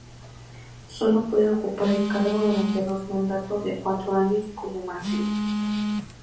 Solo puede ocupar el cargo durante dos mandatos de cuatro años como máximo.